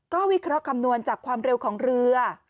ก็วิเคราะห์คำนวณจากความเร็วของเรือ